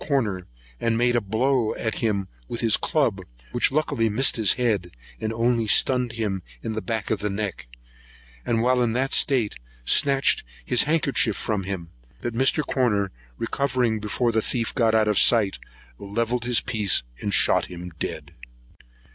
Corner, and made a blow at him with his club, which luckily missed his head, and only stunned him in the back of the neck; and, while in that state, snatched his handkerchief from him; but Mr. Corner recovering before the thief got out of sight, levelled his piece and shot him dead.